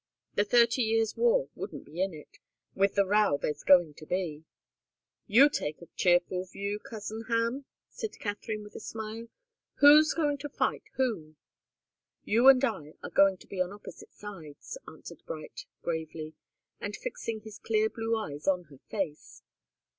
The Thirty Years' War wouldn't be in it, with the row there's going to be." "You take a cheerful view, cousin Ham," said Katharine, with a smile. "Who's going to fight whom?" "You and I are going to be on opposite sides," answered Bright, gravely, and fixing his clear blue eyes on her face.